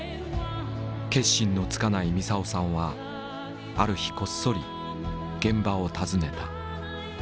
決心のつかないみさをさんはある日こっそり現場を訪ねた。